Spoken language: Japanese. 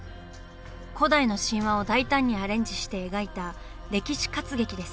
古代の神話を大胆にアレンジして描いた歴史活劇です。